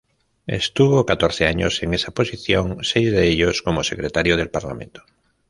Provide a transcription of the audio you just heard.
Estuvo catorce años en esa posición, seis de ellos como secretario del parlamento.